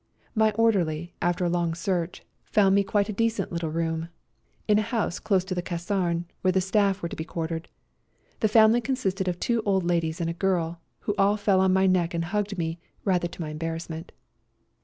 My orderly, after a long search, found me quite a decent little room in a house close to the Caserne, w^here the staff were to be quartered. The family consisted of two old ladies and a girl, who all fell on my neck and hugged me, rather to my em barrassment.